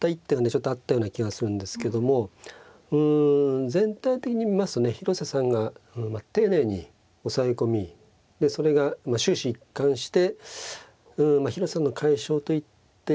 ちょっとあったような気がするんですけどもうん全体的に見ますとね広瀬さんが丁寧に押さえ込みでそれが終始一貫してまあ広瀬さんの快勝と言っていい内容だったと思いますね。